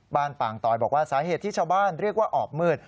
ป่างตอยบอกว่าสาเหตุที่ชาวบ้านเรียกว่าออบมืด